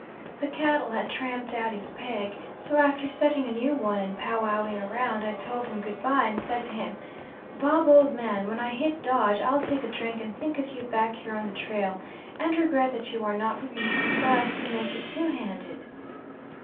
The cattle had tramped out his peg, so after setting a new one, and pow wowing around, I told him good by and said to him, 'Bob, old man, when I hit Dodge, I'll take a drink and think of you back here on the trail, and regret that you are not with me, so as to make it two handed.'